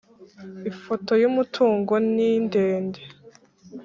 ifoto y ‘umutungo nindende.